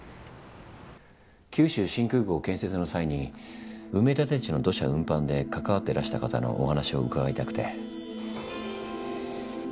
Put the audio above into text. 九州新空港建設の際に埋め立て地の土砂運搬で関わってらした方のお話を伺いたくて。